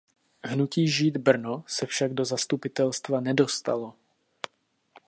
Hnutí „Žít Brno“ se však do zastupitelstva nedostalo.